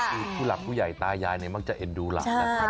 คือผู้หลักผู้ใหญ่ตายายนี้มักจะเอ็นดูหลาน